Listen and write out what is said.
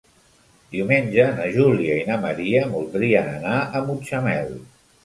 Diumenge na Júlia i na Maria voldrien anar a Mutxamel.